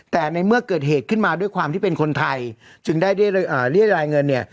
แต่ในเมื่อเกิดเหตุขึ้นมาด้วยความที่เป็นคนไทยจึงได้เรียกรายเงินเนี่ย